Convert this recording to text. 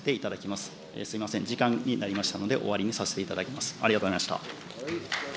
すみません、時間になりましたので、終わりにさせていただきます。